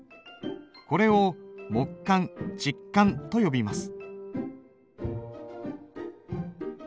これを木簡竹簡と呼びます。